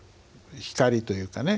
光というかね